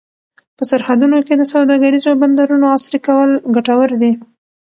په سرحدونو کې د سوداګریزو بندرونو عصري کول ګټور دي.